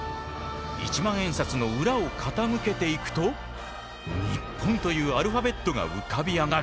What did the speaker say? １万円札の裏を傾けていくと「ＮＩＰＰＯＮ」というアルファベットが浮かび上がる。